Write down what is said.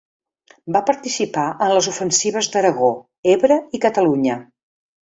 Va participar en les ofensives d'Aragó, Ebre i Catalunya.